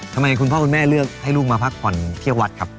คุณพ่อคุณแม่เลือกให้ลูกมาพักผ่อนเที่ยววัดครับ